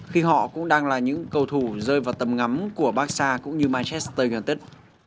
khi họ cũng đang là những cầu thủ rơi vào tầm ngắm của barca cũng như manchester united